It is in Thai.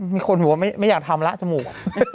มีคนหัวไม่อยากทำละสมุข